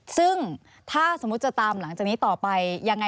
ซึ่งถ้าสมมุติจะตามหลังจากนี้ต่อไปยังไง